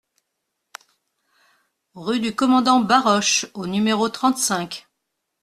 Rue du Commandant Baroche au numéro trente-cinq